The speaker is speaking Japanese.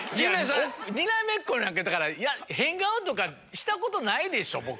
にらめっこなんか変顔とかしたことないでしょ僕。